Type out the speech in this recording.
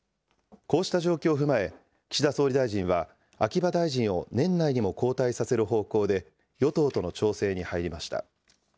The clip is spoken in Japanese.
こうした状況を踏まえ、岸田総理大臣は秋葉大臣を年内にも交代させる方向で与党との調整に入りました。